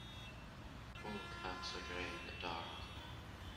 All cats are grey in the dark.